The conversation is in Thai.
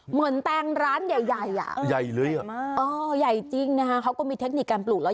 เหมือนแตงร้านใหญ่อ่ะใหญ่จริงนะคะเขาก็มีเทคนิคการปลูกแล้ว